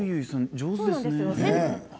上手ですね。